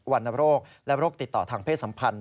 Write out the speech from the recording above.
รณโรคและโรคติดต่อทางเพศสัมพันธ